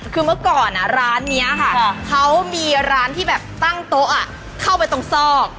คือเมื่อก่อนร้านนี้ค่ะเขามีร้านที่แบบตั้งโต๊ะเข้าไปตรงซอก